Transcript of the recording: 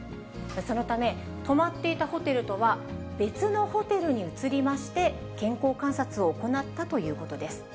そのため、泊まっていたホテルとは別のホテルに移りまして、健康観察を行ったということです。